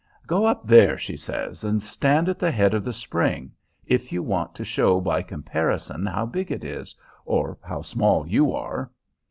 "Go up there," she says, "and stand at the head of the spring, if you want to show by comparison how big it is, or how small you are."